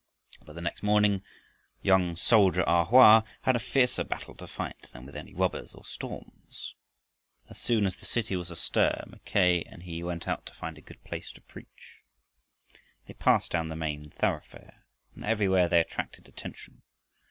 But the next morning, young soldier A Hoa had a fiercer battle to fight than any with robbers or storms. As soon as the city was astir, Mackay and he went out to find a good place to preach. They passed down the main thoroughfare, and everywhere they attracted attention.